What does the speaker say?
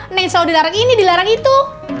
neng selalu dilarang ini dilarang itu